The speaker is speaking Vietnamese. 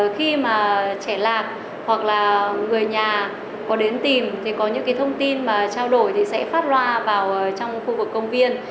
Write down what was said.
khi mà trẻ lạc hoặc là người nhà có đến tìm thì có những cái thông tin mà trao đổi thì sẽ phát loa vào trong khu vực công viên